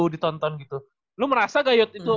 ditonton gitu lu merasa gak yud itu